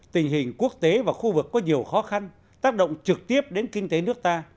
tình hình quốc tế và khu vực có nhiều khó khăn tác động trực tiếp đến kinh tế nước ta